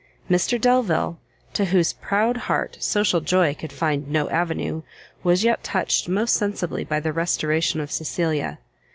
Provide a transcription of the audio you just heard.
Mr Delvile, to whose proud heart social joy could find no avenue, was yet touched most sensibly by the restoration of Cecilia.